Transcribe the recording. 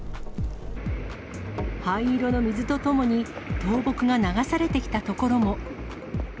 灰色の水とともに倒木が流されてきた所も。